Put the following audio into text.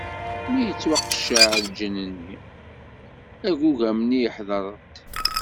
Mi yettwaqecceɛ lǧenn-nni, agugam-nni ihdeṛ-d.